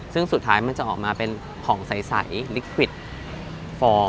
ซึ่งสุดท้ายมันจะออกมาเป็นผ่องใสลิขวิดฟอร์ม